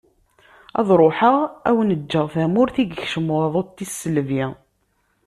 Ad ruḥeγ ad awen-ğğeγ tamurt i yekcem waḍu n tisselbi.